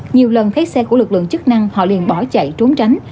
nhiều lần thấy xe của lực lượng chức năng họ liền bỏ chạy trốn tránh